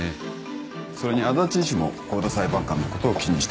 それに足達医師も香田裁判官のことを気にしてた。